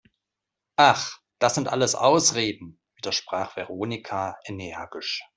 Ach, das sind alles Ausreden!, widersprach Veronika energisch.